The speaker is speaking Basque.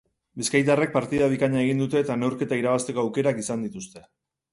Bizkaitarrek partida bikaina egin dute eta neurketa irabazteko aukerak izan dituzte.